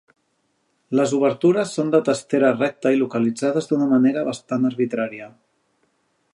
Les obertures són de testera recta i localitzades d'una manera basant arbitrària.